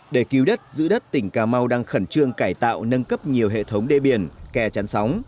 để cứu đất giữ đất tỉnh cà mau đang khẩn trương cải tạo nâng cấp nhiều hệ thống đê biển kè chắn sóng